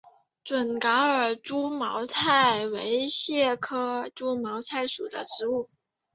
准噶尔猪毛菜是苋科猪毛菜属的植物。